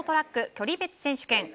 距離別選手権。